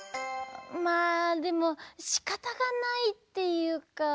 まあでもしかたがないっていうか。